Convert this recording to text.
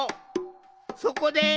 そこで。